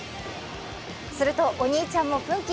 すると、お兄ちゃんも奮起。